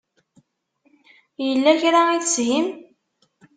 Yella kra i teshim?